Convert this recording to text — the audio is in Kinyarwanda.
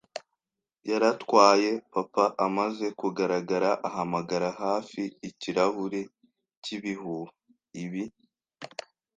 yaratwaye, papa amaze kugaragara, ahamagara hafi ikirahuri cy'ibihuha. Ibi,